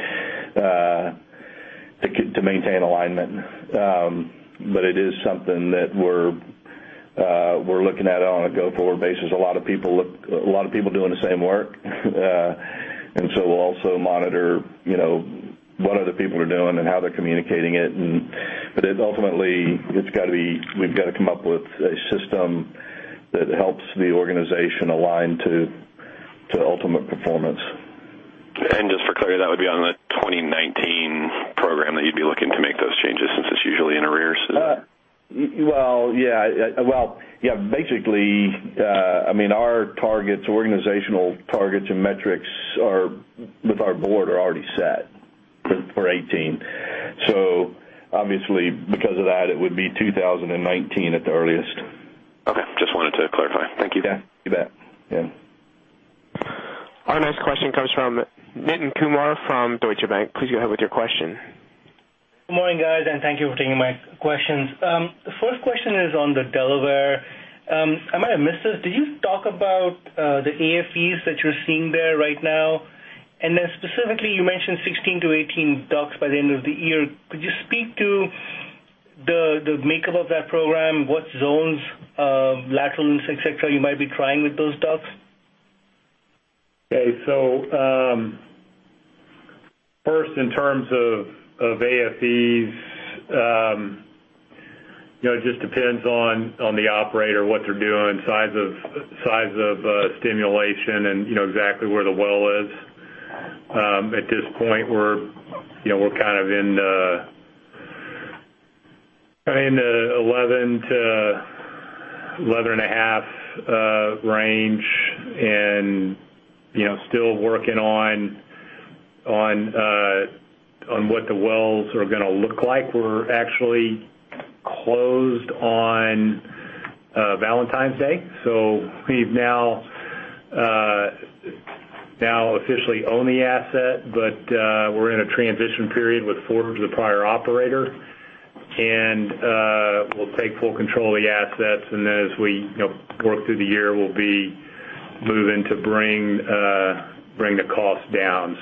to maintain alignment. It is something that we're looking at on a go-forward basis. A lot of people doing the same work. We'll also monitor what other people are doing and how they're communicating it. Ultimately, we've got to come up with a system that helps the organization align to ultimate performance. Just for clarity, that would be on the 2019 program that you'd be looking to make those changes, since it's usually in arrears? Well, yeah. Basically, our organizational targets and metrics with our board are already set for 2018. Obviously, because of that, it would be 2019 at the earliest. Okay. Just wanted to clarify. Thank you. Yeah. You bet. Yeah. Our next question comes from Nitin Kumar from Deutsche Bank. Please go ahead with your question. Good morning, guys, and thank you for taking my questions. The first question is on the Delaware. I might have missed this. Did you talk about the AFEs that you're seeing there right now? Specifically, you mentioned 16 to 18 DUCs by the end of the year. Could you speak to the makeup of that program? What zones, laterals, et cetera, you might be trying with those DUCs? First, in terms of AFEs, it just depends on the operator, what they're doing, size of stimulation, and exactly where the well is. At this point, we're kind of in the 11 to 11.5 range and still working on what the wells are going to look like. We actually closed on Valentine's Day, so we now officially own the asset. We're in a transition period with Forge, the prior operator, and we'll take full control of the assets. As we work through the year, we'll be moving to bring the cost down.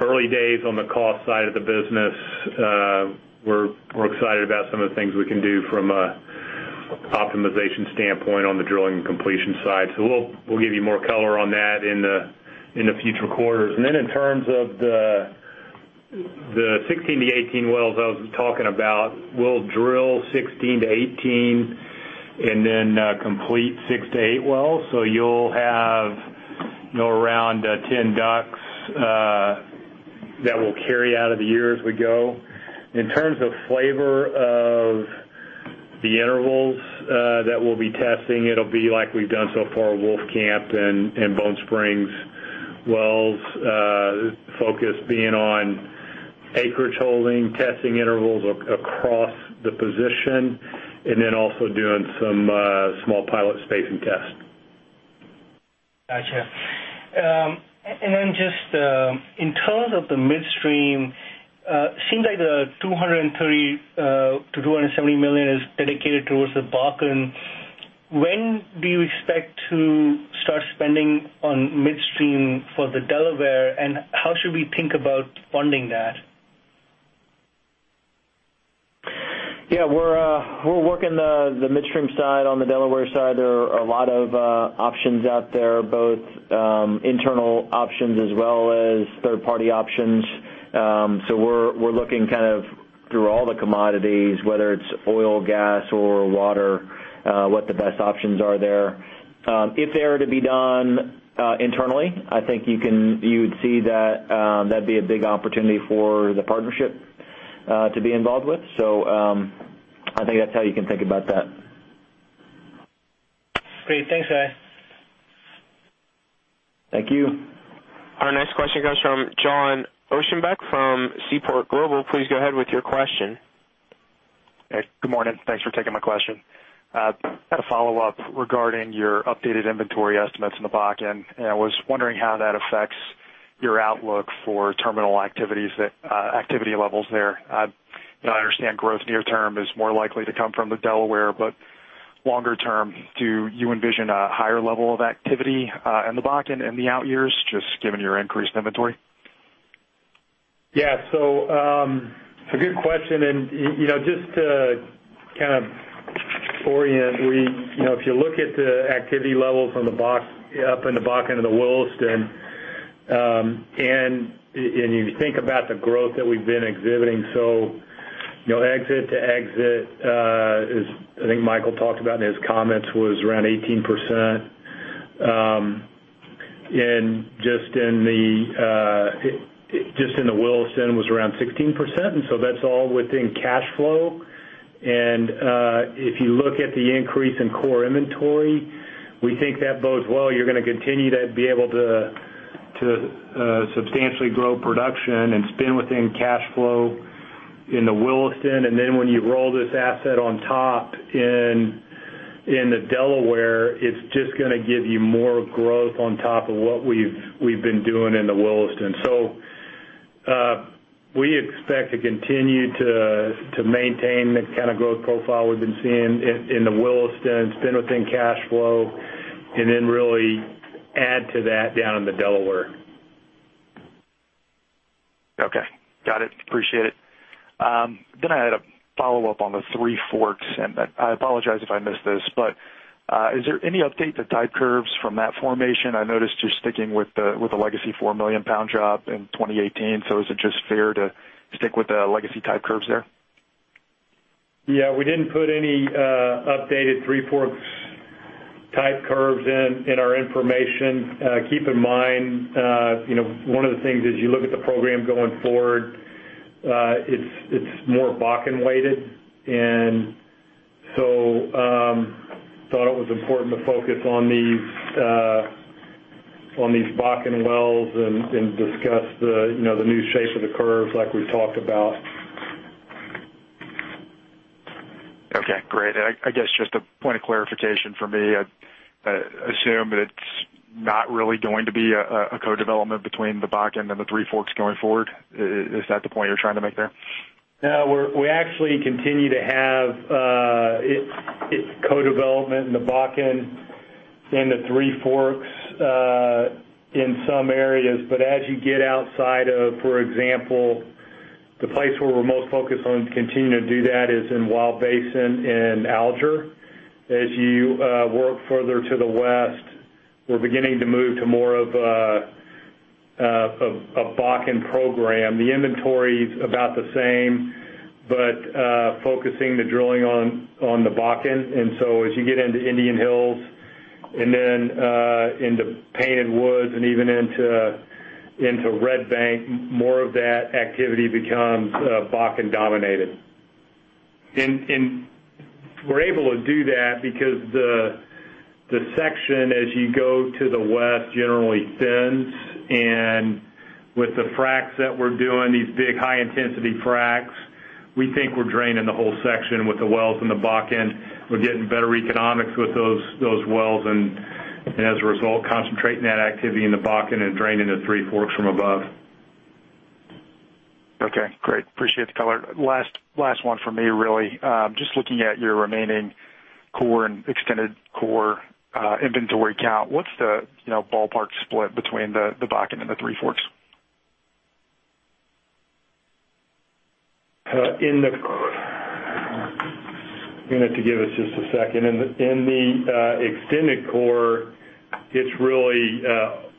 Early days on the cost side of the business. We're excited about some of the things we can do from an optimization standpoint on the drilling and completion side. We'll give you more color on that in the future quarters. In terms of the 16 to 18 wells I was talking about, we'll drill 16 to 18 and then complete six to eight wells. You'll have around 10 DUCs that we'll carry out of the year as we go. In terms of flavor of the intervals that we'll be testing, it'll be like we've done so far, Wolfcamp and Bone Springs wells, focus being on acreage holding, testing intervals across the position, also doing some small pilot spacing tests. Got you. Just in terms of the midstream, seems like the $230 million-$270 million is dedicated towards the Bakken. When do you expect to start spending on midstream for the Delaware, and how should we think about funding that? Yeah, we're working the midstream side on the Delaware side. There are a lot of options out there, both internal options as well as third-party options. We're looking through all the commodities, whether it's oil, gas, or water, what the best options are there. If they are to be done internally, I think you'd see that'd be a big opportunity for the partnership to be involved with. I think that's how you can think about that. Great. Thanks, Guy. Thank you. Our next question comes from John Osinksi from Seaport Global. Please go ahead with your question. Hey, good morning. Thanks for taking my question. I had a follow-up regarding your updated inventory estimates in the Bakken, and I was wondering how that affects your outlook for terminal activity levels there. I understand growth near term is more likely to come from the Delaware, but longer term, do you envision a higher level of activity in the Bakken in the out years, just given your increased inventory? A good question, and just to orient, if you look at the activity levels up in the Bakken and the Williston, and you think about the growth that we've been exhibiting. Exit to exit, as I think Michael talked about in his comments, was around 18%. Just in the Williston was around 16%, and that's all within cash flow. If you look at the increase in core inventory, we think that bodes well. You're going to continue to be able to substantially grow production and spend within cash flow in the Williston. Then when you roll this asset on top in the Delaware, it's just going to give you more growth on top of what we've been doing in the Williston. We expect to continue to maintain the kind of growth profile we've been seeing in the Williston, spend within cash flow, and then really add to that down in the Delaware. Okay. Got it. Appreciate it. I had a follow-up on the Three Forks, and I apologize if I missed this, but is there any update to type curves from that formation? I noticed you're sticking with the legacy 4 million pound job in 2018. Is it just fair to stick with the legacy type curves there? Yeah. We didn't put any updated Three Forks type curves in our information. Keep in mind, one of the things as you look at the program going forward, it's more Bakken-weighted. Thought it was important to focus on these Bakken wells and discuss the new shape of the curves like we've talked about. Okay. Great. I guess just a point of clarification for me. I assume that it's not really going to be a co-development between the Bakken and the Three Forks going forward. Is that the point you're trying to make there? No, we actually continue to have co-development in the Bakken and the Three Forks in some areas. As you get outside of, for example, the place where we're most focused on continuing to do that is in Wild Basin in Alger. As you work further to the west, we're beginning to move to more of a Bakken program. The inventory's about the same, focusing the drilling on the Bakken. As you get into Indian Hills and then into Painted Woods and even into Red Bank, more of that activity becomes Bakken-dominated. We're able to do that because the section as you go to the west generally thins, and with the fracs that we're doing, these big high-intensity fracs, we think we're draining the whole section with the wells in the Bakken. We're getting better economics with those wells, and as a result, concentrating that activity in the Bakken and draining the Three Forks from above. Okay, great. Appreciate the color. Last one from me, really. Just looking at your remaining core and extended core inventory count, what's the ballpark split between the Bakken and the Three Forks? If you give us just a second. In the extended core, it's really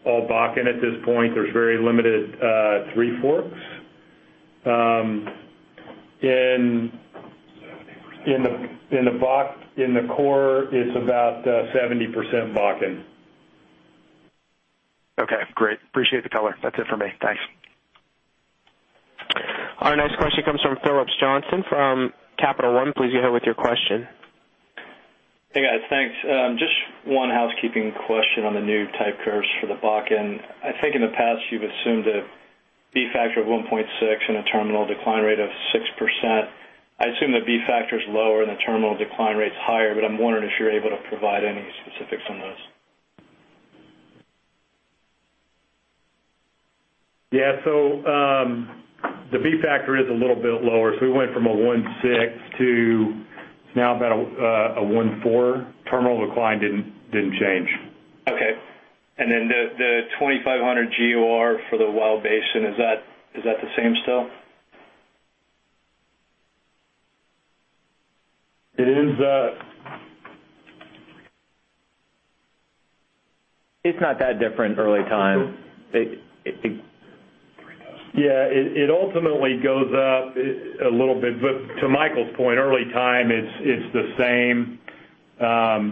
all Bakken at this point. There's very limited Three Forks. In the core, it's about 70% Bakken. Okay, great. Appreciate the color. That's it for me. Thanks. Our next question comes from Phillips Johnston from Capital One. Please go ahead with your question. Hey, guys. Thanks. Just one housekeeping question on the new type curves for the Bakken. I think in the past, you've assumed a b-factor of 1.6 and a terminal decline rate of 6%. I assume the b-factor is lower and the terminal decline rate's higher, but I'm wondering if you're able to provide any specifics on those. Yeah. The b-factor is a little bit lower. We went from a 1.6 to now about a 1.4. Terminal decline didn't change. Okay. The 2,500 GOR for the Williston Basin, is that the same still? It is. It's not that different early time. Yeah, it ultimately goes up a little bit. To Michael's point, early time, it's the same.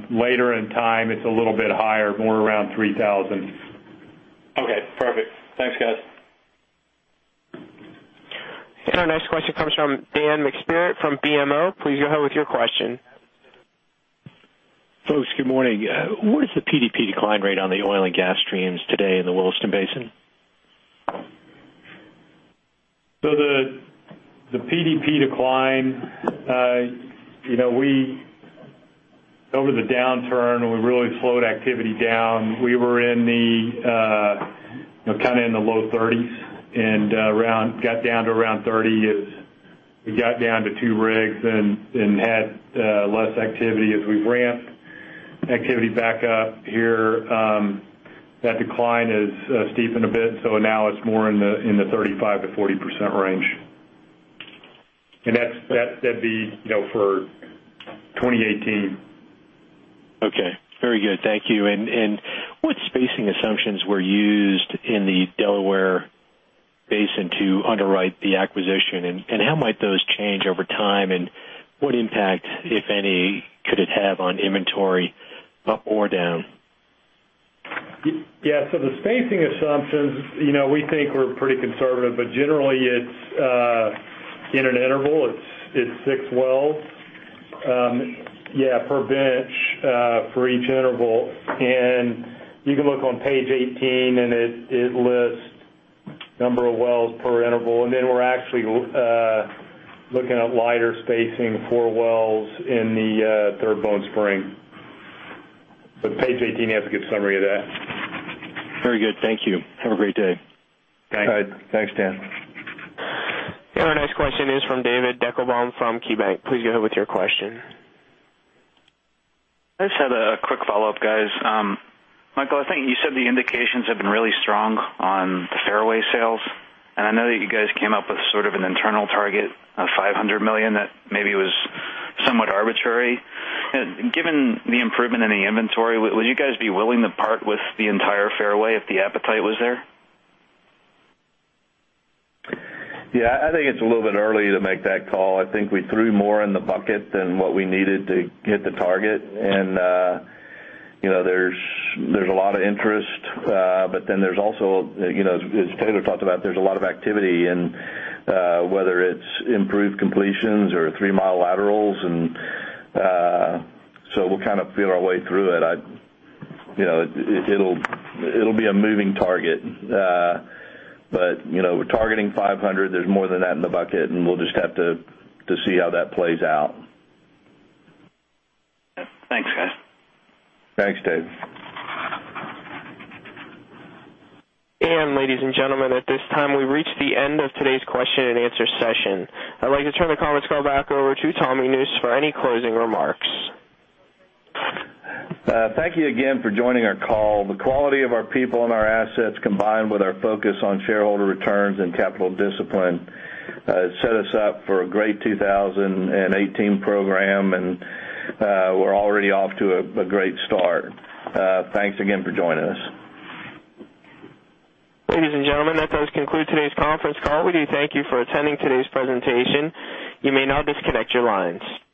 Later in time, it's a little bit higher, more around 3,000. Okay, perfect. Thanks, guys. Our next question comes from Dan McSpirit from BMO. Please go ahead with your question. Folks, good morning. What is the PDP decline rate on the oil and gas streams today in the Williston Basin? The PDP decline, over the downturn, we really slowed activity down. We were in the low 30s and got down to around 30 as we got down to two rigs and had less activity. As we've ramped activity back up here, that decline has steepened a bit, now it's more in the 35%-40% range. That'd be for 2018. Okay. Very good. Thank you. What spacing assumptions were used in the Delaware Basin to underwrite the acquisition? How might those change over time, and what impact, if any, could it have on inventory up or down? The spacing assumptions, we think we're pretty conservative, but generally, it's in an interval. It's six wells per bench for each interval. You can look on page 18, and it lists number of wells per interval, we're actually looking at wider spacing, four wells in the Third Bone Spring. Page 18 has a good summary of that. Very good. Thank you. Have a great day. Thanks. Thanks, Dan. Our next question is from David Deckelbaum from KeyBanc. Please go ahead with your question. I just had a quick follow-up, guys. Michael, I think you said the indications have been really strong on the Fairway sales. I know that you guys came up with sort of an internal target of $500 million that maybe was somewhat arbitrary. Given the improvement in the inventory, would you guys be willing to part with the entire Fairway if the appetite was there? I think it's a little bit early to make that call. I think we threw more in the bucket than what we needed to hit the target. There's a lot of interest. There's also, as Taylor talked about, there's a lot of activity in whether it's improved completions or three-mile laterals. We'll kind of feel our way through it. It'll be a moving target. We're targeting $500 million. There's more than that in the bucket. We'll just have to see how that plays out. Thanks, guys. Thanks, David. Ladies and gentlemen, at this time, we've reached the end of today's question and answer session. I'd like to turn the conference call back over to Tommy Nusz for any closing remarks. Thank you again for joining our call. The quality of our people and our assets, combined with our focus on shareholder returns and capital discipline, set us up for a great 2018 program, and we're already off to a great start. Thanks again for joining us. Ladies and gentlemen, that does conclude today's conference call. We do thank you for attending today's presentation. You may now disconnect your lines.